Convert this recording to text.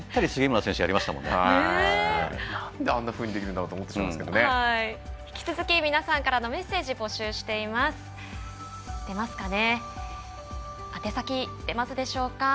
なんであんなふうにできるんだろうと引き続き皆さんからのメッセージ募集しています。